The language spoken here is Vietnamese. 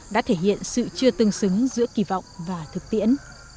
đã thể hiện sự chưa tương xứng giữa kỳ vọng và thực tiễn